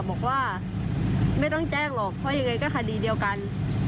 บอกว่าไม่ต้องแจ้งหรอกเพราะยังไงก็คดีเดียวกัน